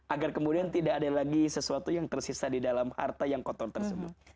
agar kemudian tidak ada lagi sesuatu yang tersisa di dalam harta yang kotor tersebut